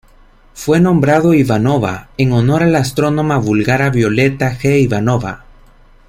Fue nombrado Ivanova en honor a la astrónoma búlgara Violeta G. Ivanova.